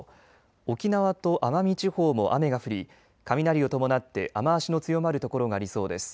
沖縄と奄美地方も雨が降り雷を伴って雨足の強まる所がありそうです。